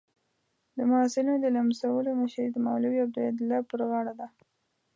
د محصلینو د لمسولو مشري د مولوي عبیدالله پر غاړه ده.